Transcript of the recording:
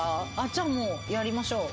じゃあもうやりましょう。